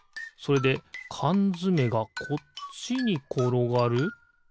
それでかんづめがこっちにころがる？